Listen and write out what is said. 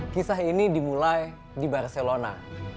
kisah ini dimulai di barcelona